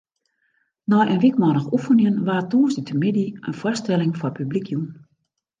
Nei in wykmannich oefenjen waard tongersdeitemiddei in foarstelling foar publyk jûn.